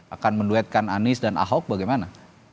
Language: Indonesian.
akan menduetkan anies dan ahok bagaimana